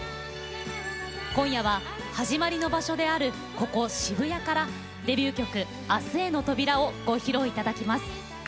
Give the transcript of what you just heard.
今夜は、始まりの場所であるここ、渋谷からデビュー曲、「明日への扉」をご披露いただきます。